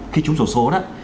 khi chúng sổ số đó